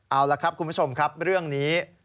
เอาละครับคุณผู้ชมครับเรื่องนี้